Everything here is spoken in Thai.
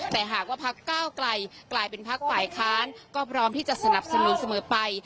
แต่หากว่าพักก้าวไกลกลายเป็นพักฝ่ายค้านก็พร้อมที่จะสนับสนุนเสมอไป